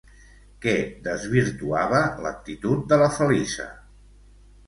Què desvirtuava l'actitud de la Feliça?